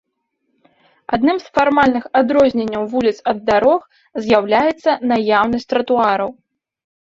Адным з фармальных адрозненняў вуліц ад дарог з'яўляецца наяўнасць тратуараў.